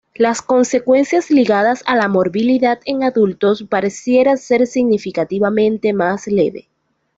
Las consecuencias ligadas a la morbilidad en adultos parecería ser significativamente más leve.